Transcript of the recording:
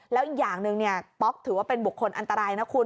แล้วอีกอย่างหนึ่งป๊อกถือว่าเป็นบุคคลอันตรายนะคุณ